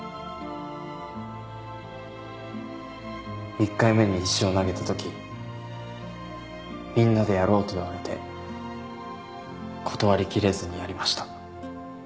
１回目に石を投げたときみんなでやろうと言われて断りきれずにやりました。